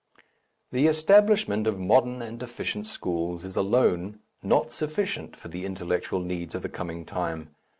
The establishment of modern and efficient schools is alone not sufficient for the intellectual needs of the coming time.